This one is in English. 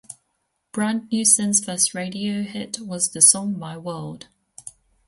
Brand New Sin's first radio hit was the song "My World".